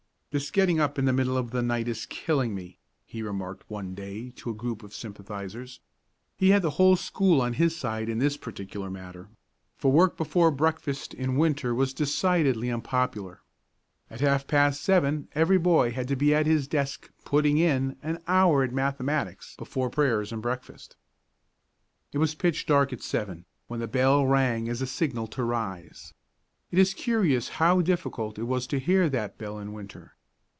"This getting up in the middle of the night is killing me," he remarked one day to a group of sympathizers. He had the whole school on his side in this particular matter, for work before breakfast in winter was decidedly unpopular. At half past seven every boy had to be at his desk "putting in" an hour at mathematics before prayers and breakfast. It was pitch dark at seven, when the big bell rang as a signal to rise. It is curious how difficult it was to hear that bell in winter.